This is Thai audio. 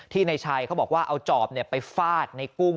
ในชัยเขาบอกว่าเอาจอบไปฟาดในกุ้ง